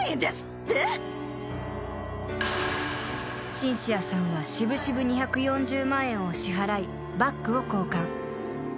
［シンシアさんは渋々２４０万円を支払いバッグを交換］